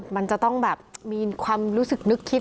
มันจะต้องแบบมีความรู้สึกนึกคิด